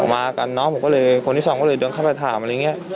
มากันน้องผมก็เลยคนที่สองก็เลยเดินเข้าไปถามอะไรอย่างนี้